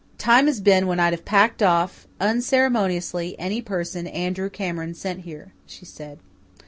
"Time has been when I'd have packed off unceremoniously any person Andrew Cameron sent here," she said.